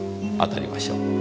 当たりましょう。